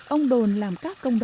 ông đồn làm các phần da mỏng hơn